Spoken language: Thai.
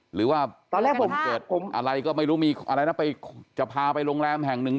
หรือว่าตอนแรกผมเกิดอะไรก็ไม่รู้มีอะไรนะไปจะพาไปโรงแรมแห่งหนึ่ง